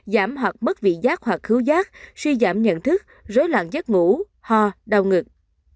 giảm hoặc mất vị giác hoặc khứu rác suy giảm nhận thức rối loạn giấc ngủ ho đau ngực